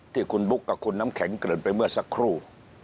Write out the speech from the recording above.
ที่คุณบุ๊คกับคุณน้ำแข็งเกริ่นไปเมื่อสักครู่